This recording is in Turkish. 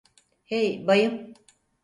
Hey, bayım!